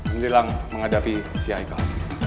yang bilang menghadapi si haikal